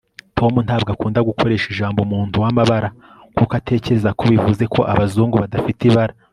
tom ntabwo akunda gukoresha ijambo umuntu wamabara kuko atekereza ko bivuze ko abazungu badafite ibara